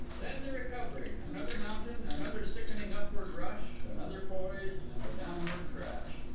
Then the recovery, another mountain, another sickening upward rush, another poise, and the downward crash.